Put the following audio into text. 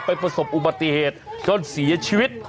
ประสบอุบัติเหตุจนเสียชีวิต